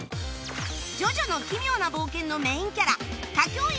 『ジョジョの奇妙な冒険』のメインキャラ花京院